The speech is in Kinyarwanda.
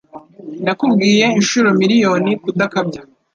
Nakubwiye inshuro miriyoni kudakabya